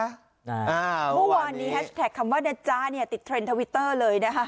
เมื่อวานนี้แฮชแท็กคำว่านะจ๊ะเนี่ยติดเทรนด์ทวิตเตอร์เลยนะคะ